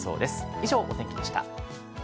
以上、お天気でした。